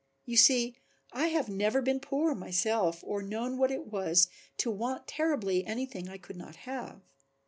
You see I have never been poor myself or known what it was to want terribly anything I could not have."